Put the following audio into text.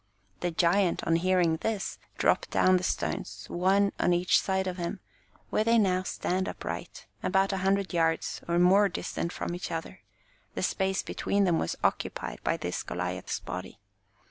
The giant on hearing this dropped down the stones, one on each side of him, where they now stand upright, about a hundred yards or more distant from each other ; the space between them was occupied by this Goliah's body.